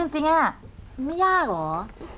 จริงไม่ยากเหรอ